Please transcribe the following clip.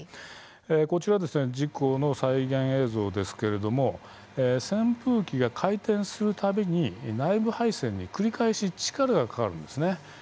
こちら事故の再現映像ですが扇風機が回転する度に内部配線に繰り返し力がかかるんです。